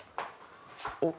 おっ！